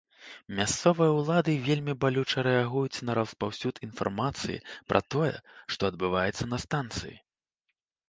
Мясцовыя ўлады вельмі балюча рэагуюць на распаўсюд інфармацыі пра тое, што адбываецца на станцыі.